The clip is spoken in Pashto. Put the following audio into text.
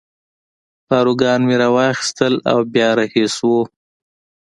پاروګان مې را واخیستل او بیا رهي شوو.